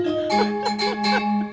alia gak ada ajak rapat